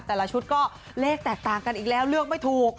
แต่ละชุดก็เลขแตกต่างกันอีกแล้วเลือกไม่ถูก